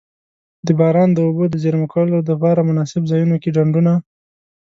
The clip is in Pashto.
د باران د اوبو د زیرمه کولو دپاره مناسب ځایونو کی ډنډونه.